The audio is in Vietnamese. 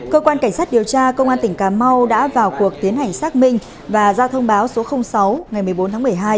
cơ quan cảnh sát điều tra công an tỉnh cà mau đã vào cuộc tiến hành xác minh và ra thông báo số sáu ngày một mươi bốn tháng một mươi hai